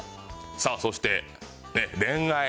さあそして恋愛。